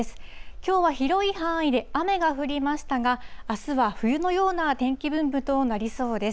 きょうは広い範囲で雨が降りましたが、あすは冬のような天気分布となりそうです。